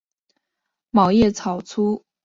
卵叶糙苏为唇形科糙苏属下的一个变种。